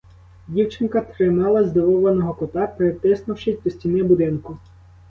Дівчинка тримала здивованого кота, притиснувшись до стіни будинку.